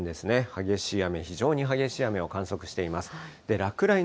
激しい雨、非常に激しい雨を観測しています。